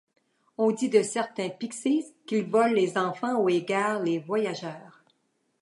On dit de certains pixies qu'ils volent les enfants ou égarent les voyageurs.